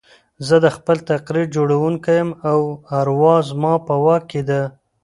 زه د خپل تقدير جوړوونکی يم او اروا زما په واک کې ده.